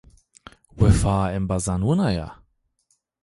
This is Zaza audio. Wefaya embazan wina ya?